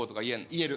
言える。